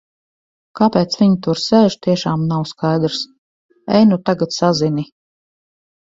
Kāpēc viņi tur sēž, tiešām nav skaidrs. Ej nu tagad sazini.